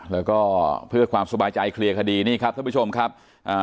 แล้วก็เพื่อความสบายใจเคลียร์คดีนี่ครับท่านผู้ชมครับอ่า